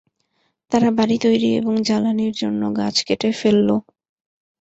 তারা বাড়ি তৈরি এবং জ্বালানির জন্য গাছ কেটে ফেললো।